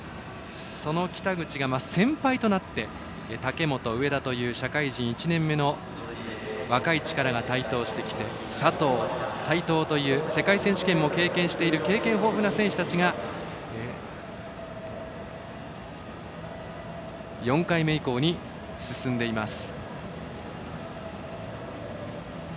その北口が、先輩となって武本、上田という社会人１年目の若い力が台頭してきて佐藤、斉藤という世界選手権も経験している経験豊富な選手たちが４回目以降に進んでいます。